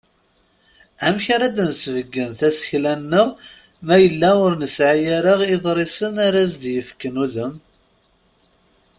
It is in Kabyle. Amek ara d-nsebgen tasekla-nneɣ ma yella ur nesƐi ara iḍrisen ara as-yefken udem?